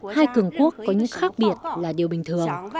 hai cường quốc có những khác biệt là điều bình thường